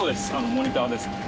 モニターですね。